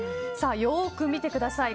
よく見てください